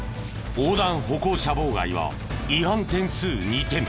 横断歩行者妨害は違反点数２点。